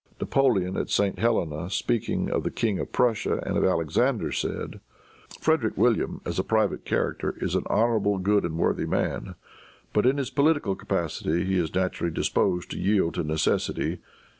Napoleon, at St. Helena, speaking of the King of Prussia and of Alexander, said, "Frederic William, as a private character, is an honorable, good and worthy man, but in his political capacity he is naturally disposed to yield to necessity.